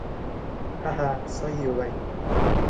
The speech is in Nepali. हा हा सही हो भाई!